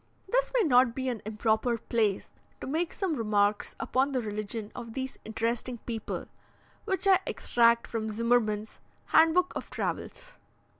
This may not be an improper place to make some remarks upon the religion of these interesting people, which I extract from Zimmerman's "Handbook of Travels."